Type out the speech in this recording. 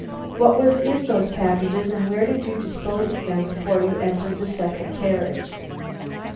What was in those packages, and where did you dispose of them before you entered the second carriage?"